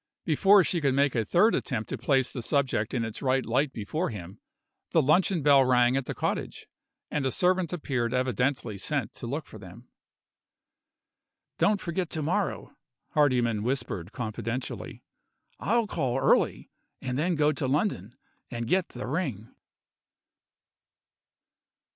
Before she could make a third attempt to place the subject in its right light before him, the luncheon bell rang at the cottage and a servant appeared evidently sent to look for them. "Don't forget to morrow," Hardyman whispered confidentially. "I'll call early and then go to London, and get the ring."